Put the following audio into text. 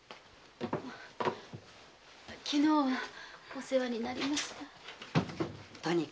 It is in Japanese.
昨日はお世話になりました。